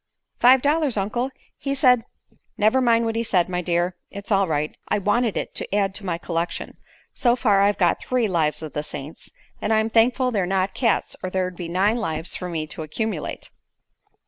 "Five dollars. Uncle. He said " "Never mind what he said, my dear. It's all right. I wanted it to add to my collection. So far I've got three 'Lives of the Saints' and I'm thankful they're not cats, or there'd be nine lives for me to accumulate."